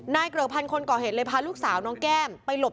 นายเกลือคนก่อเหตุเลยพาลูกสาวหนองแก้มไปหลบ